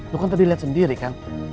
lu kan tadi liat sendiri kan